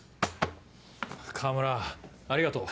河村ありがとう。